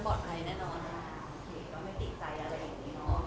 โอเคก็ไม่ติดใจอะไรอย่างงี้เนาะ